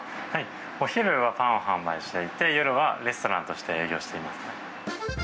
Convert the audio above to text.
お昼はパンを販売していて、夜はレストランとして営業しています。